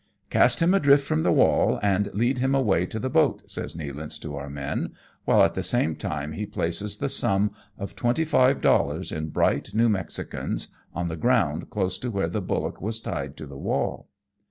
179 '' Cast him adrift from the wall, and lead him away to the boat," says Nealance to our men, while at the same time he places the sum of twenty five dollars, in bright new Mexicans, on the ground close to where the bullock was tied to the wall.